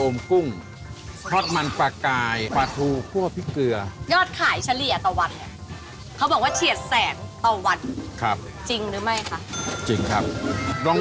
มาแล้วลอง